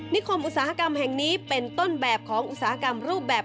คมอุตสาหกรรมแห่งนี้เป็นต้นแบบของอุตสาหกรรมรูปแบบ